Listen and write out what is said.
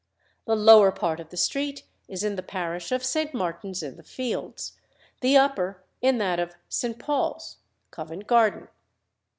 The lower part of the street is in the parish of St. Martin's in the Fields, the upper in that of St. Paul's, Covent Garden.